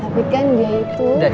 mau barang pak